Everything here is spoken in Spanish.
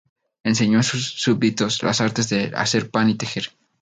Enseñó a sus súbditos las artes de hacer pan y tejer.